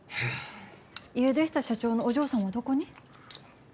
家出した社長のお嬢さんはどこに？